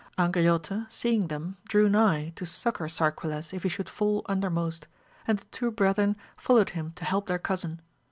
Angriote seeing them drew nigh to succour Sarquiles if he should fall under most, and the two brethren followed him to help their cousin.